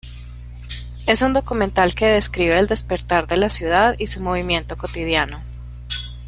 Es un documental que describe el despertar de la ciudad y su movimiento cotidiano.